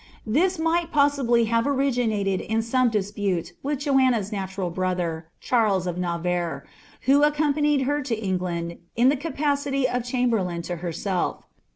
This might possibly have originated in some dispute with Joanna's natural brother, Charles of Navarre, who accom panied her to England in the capacity of chamberlain to berst lf.'